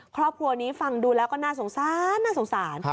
ครอบครัวนี้ฟังดูแล้วก็น่าสงสาร